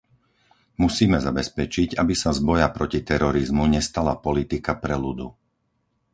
Musíme zabezpečiť, aby sa z boja proti terorizmu nestala politika preludu.